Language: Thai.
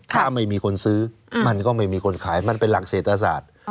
ถ้าไม่มีคนซื้อมันก็ไม่มีคนขายมันเป็นหลักเศรษฐศาสตร์